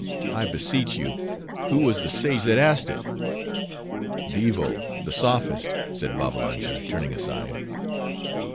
I beseech you, who was the sage that asked it?" "Vivo, the Sophist," said Babbalanja, turning aside.